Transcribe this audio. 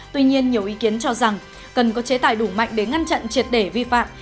tuy nhiên nhiều ý kiến cho rằng cần có chế tài đủ mạnh để ngăn chặn triệt để vi phạm